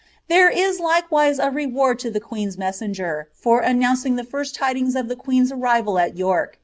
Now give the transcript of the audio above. There is likewise a reward to the queen's messenger T >< the fiist tidings of the queen's arrival al York.